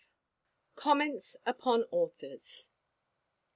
_Comments upon authors.